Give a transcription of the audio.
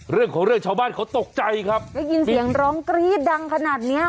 เรื่องของเรื่องชาวบ้านเขาตกใจครับได้ยินเสียงร้องกรี๊ดดังขนาดเนี้ย